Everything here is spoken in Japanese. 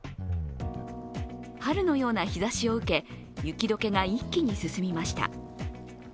春のような日ざしを受け、雪解けが一気に進みました。